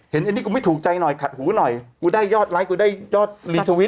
เห็นอันนี้กูไม่ถูกใจหน่อยขัดหูหน่อยกูได้ยอดไลค์กูได้ยอดรีทวิต